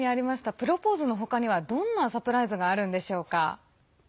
プロポーズの他にはどんなサプライズがあるんでしょうか？